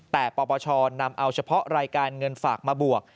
แต่ปปชนำเอาเฉพาะรายการเงินฝากมาบวก